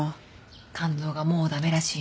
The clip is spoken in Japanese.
肝臓がもう駄目らしいの。